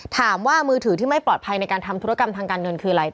ถามว่ามือถือที่ไม่ปลอดภัยในการทำธุรกรรมทางการเงินคืออะไร